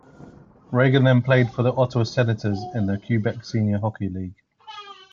Regan then played for the Ottawa Senators in the Quebec Senior Hockey League.